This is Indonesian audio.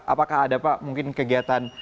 apakah ada pak mungkin kegiatan